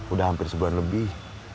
udah hampir sebulan lebih